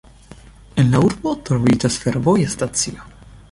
En la urbo troviĝas fervoja stacio.